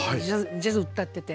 ジャズ歌ってて。